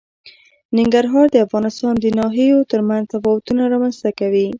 ننګرهار د افغانستان د ناحیو ترمنځ تفاوتونه رامنځ ته کوي.